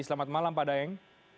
selamat malam pak daeng